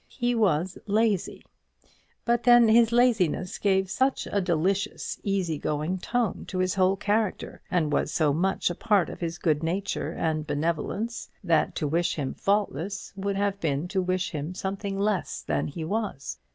He was lazy. But then his laziness gave such a delicious, easy going tone to his whole character, and was so much a part of his good nature and benevolence, that to wish him faultless would have been to wish him something less than he was.